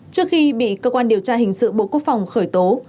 trước khi bị cơ quan điều tra hình sự bộ quốc phòng khởi tố